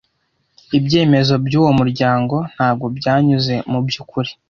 ibyemezo byuwo muryango ntabwo byanyuze mu byukuri